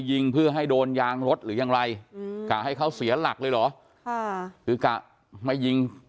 ยิงเพื่อให้โดนยางรถหรือยังไรอืมกะให้เขาเสียหลักเลยเหรอค่ะคือกะไม่ยิง